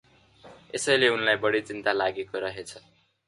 यसैले उनलाई बढी चिन्ता लागेको रहेछ ।